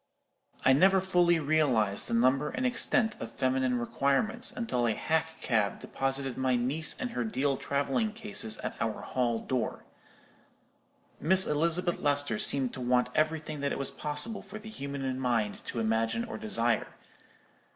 "I never fully realized the number and extent of feminine requirements until a hack cab deposited my niece and her deal travelling cases at our hall door. Miss Elizabeth Lester seemed to want everything that it was possible for the human mind to imagine or desire.